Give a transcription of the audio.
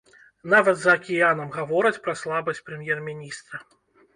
Нават за акіянам гавораць пра слабасць прэм'ер-міністра.